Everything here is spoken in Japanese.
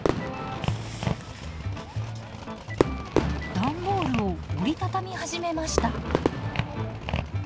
段ボールを折り畳み始めました。